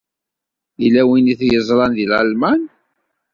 Yella win ay t-yeẓran deg Lalman?